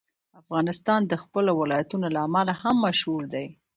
افغانستان د خپلو ولایتونو له امله هم مشهور دی.